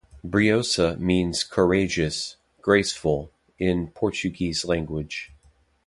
Briosa means courageous, graceful, in Portuguese language.